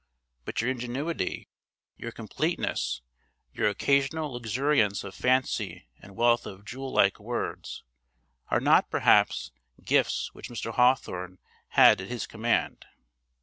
But your ingenuity, your completeness, your occasional luxuriance of fancy and wealth of jewel like words, are not, perhaps, gifts which Mr. Hawthorne had at his command.